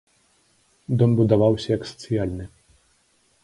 Дом будаваўся як сацыяльны.